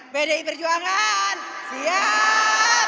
pdi perjuangan siap